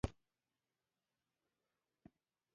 تر دې وروسته په دغه هېواد کې ټاکنې په منظم ډول ترسره کېدې.